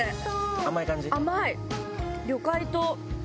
甘い！